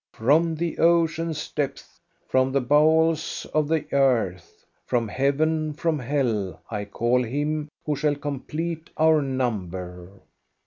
From the ocean's depths, from the bowels of the earth, from heaven, from hell I call him who shall complete our number."